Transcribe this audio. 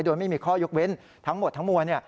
โดยไม่มีข้อยกเว้นทั้งหมดทั้งมวล